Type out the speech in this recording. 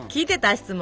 質問。